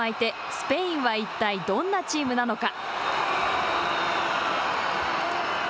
スペインは一体どんなチームなのか。